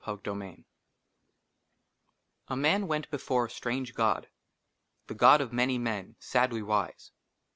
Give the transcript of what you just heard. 55 LI A MAN WENT BEFORE A STRANGE GOD, — THE GOD OF MANY MEN, SADLY WISE.